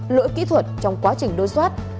lỗi kỹ thuật trong quá trình đối soát